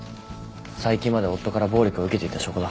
最近まで夫から暴力を受けていた証拠だ。